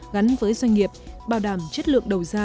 gắn với doanh nghiệp bảo đảm chất lượng đầu ra